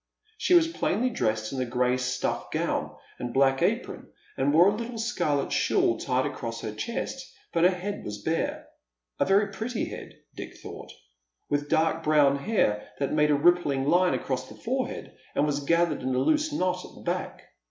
She was plainly dressed in a gray stuff gown and black apron, and wore a little scarlet shawl tied across her chest, but her head was bare — a very pretty head, Dick thought, with dark brown hair, that made a rippling line across the forehead, and was gathered in a loose knot at t,he back.